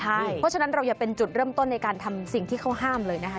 เพราะฉะนั้นเราอย่าเป็นจุดเริ่มต้นในการทำสิ่งที่เขาห้ามเลยนะคะ